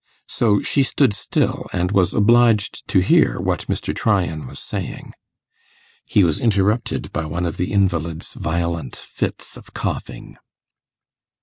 So she stood still, and was obliged to hear what Mr. Tryan was saying. He was interrupted by one of the invalid's violent fits of coughing.